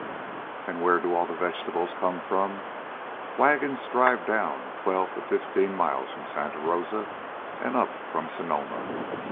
"And where do all the vegetables come from? Wagons drive down twelve to fifteen miles from Santa Rosa, and up from Sonoma.